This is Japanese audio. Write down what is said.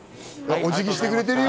お辞儀してくれてるよ。